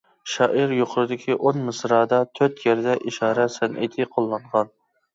شائىر يۇقىرىدىكى ئون مىسرادا تۆت يەردە ئىشارە سەنئىتى قوللانغان.